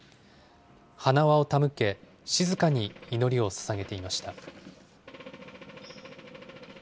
花輪を手向け、静かに祈りをささげていました。